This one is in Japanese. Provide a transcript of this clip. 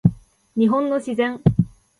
日本の自然